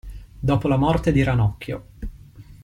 Dopo la morte di Ranocchio.